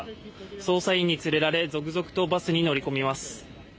捜査員に連れられ、続々とバスに乗り込みます。